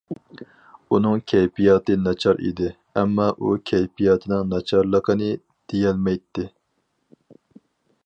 ئۇنىڭ كەيپىياتى ناچار ئىدى، ئەمما ئۇ كەيپىياتىنىڭ ناچارلىقىنى دېيەلمەيتتى!